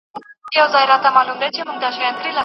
د کتاب ډالۍ کول ډېر ښه کار دی.